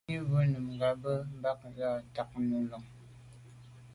Shúnɔ̀ cúp bú nùngà mbə̄ mbà tát lā nù lɔ̀ŋ.